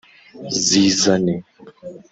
Zizane